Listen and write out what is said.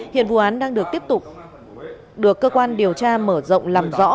hiện vụ án đang được tiếp tục được cơ quan điều tra mở rộng làm rõ